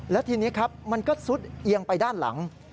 และทีนี้ครับมันก็ซุดเอียงไปด้านหลัง